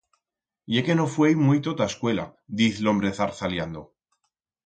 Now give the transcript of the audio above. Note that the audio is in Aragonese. Ye que no fuei muito t'a escuela, diz l'hombre zarzaliando.